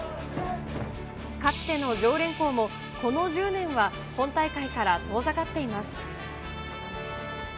かつての常連校も、この１０年は、本大会から遠ざかっています。